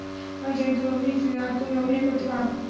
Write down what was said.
আমি জানি তুমি অভিনেত্রী না, আর তুমি অভিনয় করতে পারনা।